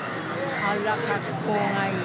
あら格好がいい。